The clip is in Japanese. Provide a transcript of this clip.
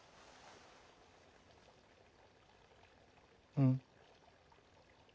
うん。